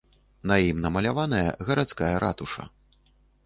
На ім намаляваная гарадская ратуша.